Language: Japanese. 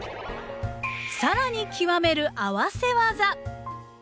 更に極める合わせ技！